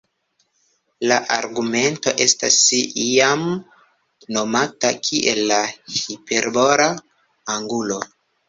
La argumento estas iam nomata kiel la hiperbola angulo.